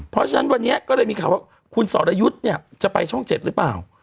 เพราะฉะนั้นวันนี้ก็เลยมีข่าวว่าคุณสรยุทธ์เนี่ยจะไปช่อง๗หรือเปล่า